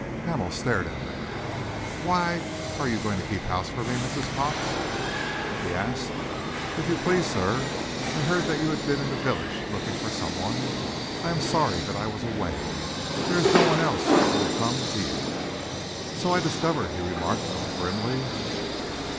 Hamel stared at her. "Why, are you going to keep house for me, Mrs. Cox?" he asked. "If you please, sir. I heard that you had been in the village, looking for some one. I am sorry that I was away. There is no one else who would come to you." "So I discovered," he remarked, a little grimly.